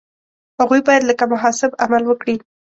هغوی باید لکه محاسب عمل وکړي.